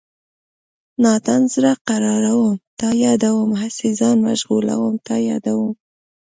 نادان زړه قراروم تا یادوم هسې ځان مشغولوم تا یادوم